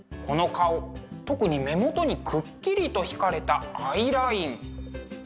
特に目元にくっきりと引かれたアイライン。